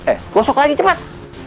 eh gosok lagi cepat